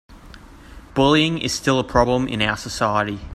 Bullying is still a problem in our society.